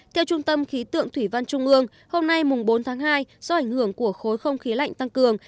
theo trung tâm khí tượng thủy văn trung ương hôm nay bốn tháng hai do ảnh hưởng của khối không khí lạnh tăng cường